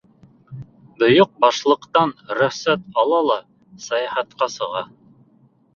Бөйөк Башлыҡтан рөхсәт ала ла сәйәхәткә сыға.